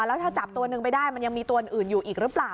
แล้วถ้าจับตัวหนึ่งไปได้มันยังมีตัวอื่นอยู่อีกหรือเปล่า